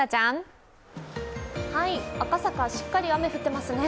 赤坂、しっかり雨降ってますね。